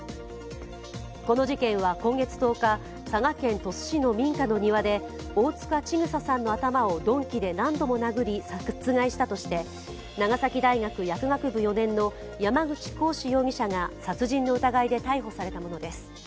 この事件は今月１０日、佐賀県鳥栖市の民家の庭で大塚千種さんの頭を鈍器で何度も殴り殺害したとして、長崎大学薬学部４年の山口鴻志容疑者が殺人の疑いで逮捕されたものです。